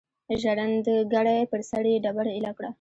ژرندګړی پر سر یې ډبره ایله کړه.